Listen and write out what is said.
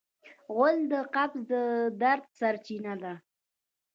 غول د قبض د درد سرچینه ده.